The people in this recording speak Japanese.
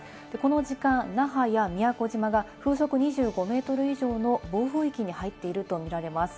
この時間、那覇や宮古島が風速２５メートル以上の暴風域に入っているとみられます。